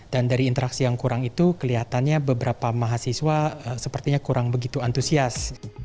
dan dari interaksi yang kurang itu kelihatannya beberapa mahasiswa sepertinya kurang begitu antusias